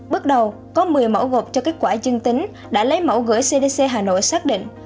bước đầu có một mươi mẫu gộp cho kết quả dương tính đã lấy mẫu gửi cdc hà nội xác định